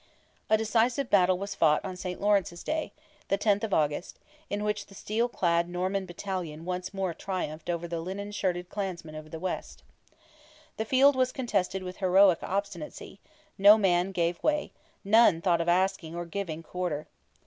A decisive battle was fought on St. Laurence's day—the 10th of August—in which the steel clad Norman battalion once more triumphed over the linen shirted clansmen of the west. The field was contested with heroic obstinacy; no man gave way; none thought of asking or giving quarter.